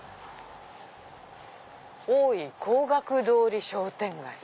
「大井光学通り商店街」。